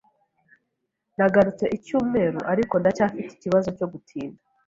Nagarutse icyumweru, ariko ndacyafite ikibazo cyo gutinda.